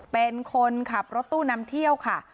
เป็นคนขับรถตู้นำเที่ยวค่ะ